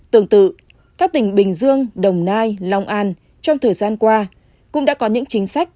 tương tự các tỉnh bình dương đồng nai long an trong thời gian qua cũng đã có những chính sách